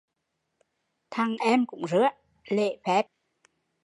Thằng em cũng rứa, lễ phép ăn nói chững chạc